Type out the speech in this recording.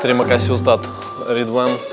terima kasih ustadz ridwan